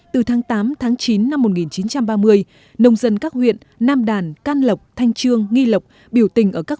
từ tháng tám tháng chín năm một nghìn chín trăm ba mươi nông dân các huyện nam đàn can lộc thanh trương nghi lộc biểu tình ở các